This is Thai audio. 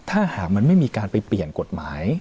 ถ้าหากมันไม่มีการไปเปลี่ยนกฎหมาย